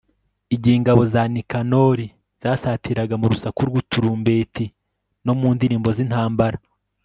igihe ingabo za nikanori zasatiraga mu rusaku rw'uturumbeti no mu ndirimbo z'intambara